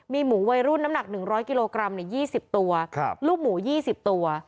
มีหมูวัยรุ่นน้ำหนักหนึ่งร้อยกิโลกรัมเนี่ยยี่สิบตัวครับลูกหมูยี่สิบตัว